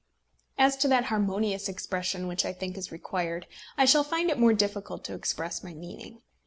As to that harmonious expression which I think is required, I shall find it more difficult to express my meaning.